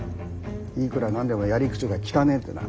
いくら何でもやり口が汚えってな。